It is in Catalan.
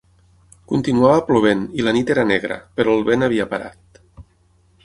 Continuava plovent, i la nit era negra, però el vent havia parat.